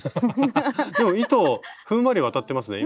でも糸ふんわり渡ってますね。